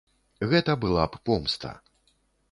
Гэта была б помста.